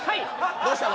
どうしたの？